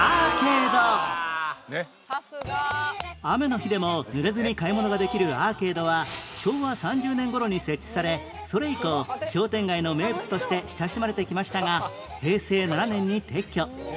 雨の日でもぬれずに買い物ができるアーケードは昭和３０年頃に設置されそれ以降商店街の名物として親しまれてきましたが平成７年に撤去